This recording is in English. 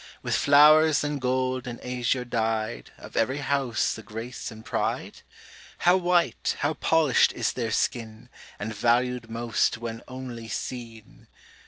With flowers and gold and azure dy'd, Of ev'ry house the grace and pride? How white, how polish'd is their skin, And valu'd most when only seen!